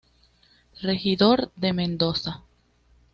Regidor de Mendoza.